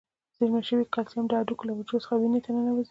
زیرمه شوي کلسیم د هډوکو له حجرو څخه وینې ته ننوزي.